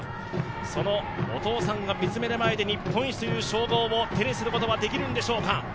そのお父さんが見つめる前で日本一という称号を手にすることができるんでしょうか。